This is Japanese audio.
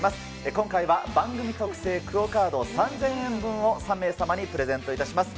今回は番組特製ＱＵＯカード３０００円分を３名様にプレゼントいたします。